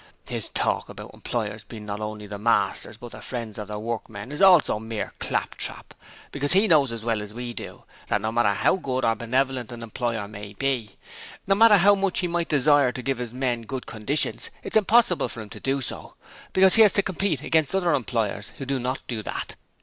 His talk about employers being not only the masters but the "friends" of their workmen is also mere claptrap because he knows as well as we do, that no matter how good or benevolent an employer may be, no matter how much he might desire to give his men good conditions, it is impossible for him to do so, because he has to compete against other employers who do not do that.